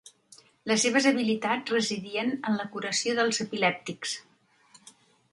Les seves habilitats residien en la curació dels epilèptics.